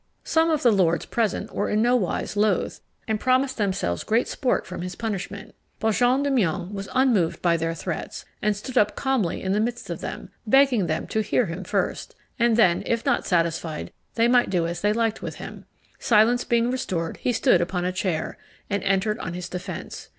Some of the lords present were in no wise loath, and promised themselves great sport from his punishment. But Jean de Meung was unmoved by their threats, and stood up calmly in the midst of them, begging them to hear him first, and then, if not satisfied, they might do as they liked with him. Silence being restored, he stood upon a chair, and entered on his defence.